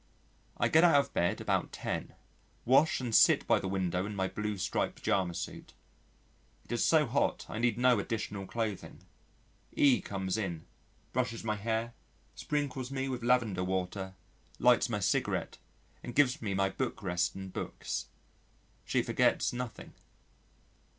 I get out of bed about ten, wash and sit by the window in my blue striped pyjama suit. It is so hot I need no additional clothing. E comes in, brushes my hair, sprinkles me with lavender water, lights my cigarette, and gives me my book rest and books. She forgets nothing.